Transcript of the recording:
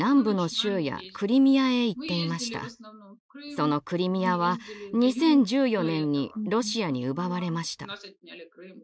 そのクリミアは２０１４年にロシアに奪われました。